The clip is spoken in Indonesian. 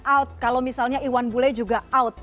out kalau misalnya iwan bule juga out